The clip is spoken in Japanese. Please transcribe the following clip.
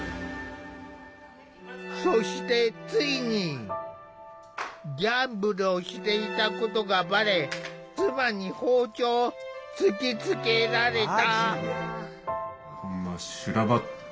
そしてついにギャンブルをしていたことがバレ妻に包丁を突きつけられた。